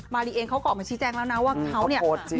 มารีเองเขากล่อมาชี้แจ้งแล้วนะว่าเขาโพสต์ชี้แจ้ง